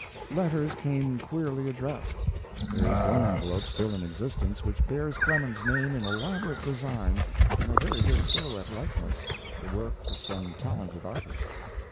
] Letters came queerly addressed. There is one envelope still in existence which bears Clemens's name in elaborate design and a very good silhouette likeness, the work of some talented artist.